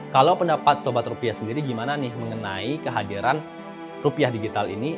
kalau pendapat sobat rupiah sendiri gimana nih mengenai kehadiran rupiah digital ini